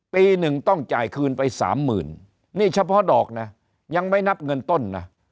ปีหนึ่งต้องจ่ายคืนไปสามหมื่นนี่เฉพาะดอกนะยังไม่นับเงินต้นนะ